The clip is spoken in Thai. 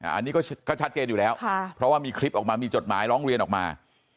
อันนี้ก็ชัดเจนอยู่แล้วเพราะว่ามีคลิปออกมามีจดหมายร้องเรียนออกมา